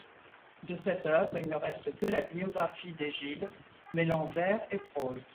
De cette œuvre il ne reste que la biographie d'Aegil, mêlant vers et prose.